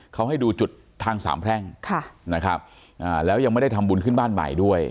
เขาให้ดูจุดทางสามแพร่งนะครับแล้วยังไม่ได้ทำบุญขึ้นบ้านใหม่ด้วย